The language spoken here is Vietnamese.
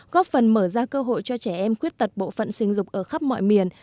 góp phần mở ra cơ hội cho trẻ em khuyết tật bộ phận sinh dục ở khắp mọi miền